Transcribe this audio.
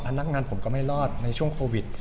นักงานผมก็ไม่รอดในช่วงโควิด